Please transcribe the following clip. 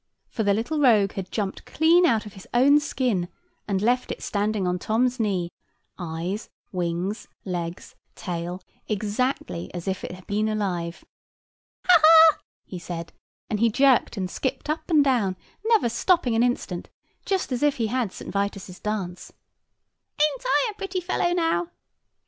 For the little rogue had jumped clean out of his own skin, and left it standing on Tom's knee, eyes, wings, legs, tail, exactly as if it had been alive. "Ha, ha!" he said, and he jerked and skipped up and down, never stopping an instant, just as if he had St. Vitus's dance. "Ain't I a pretty fellow now?"